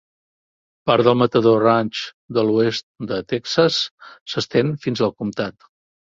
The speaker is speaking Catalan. Part del Matador Ranch de l'oest de Texas s'estén fins al comptat.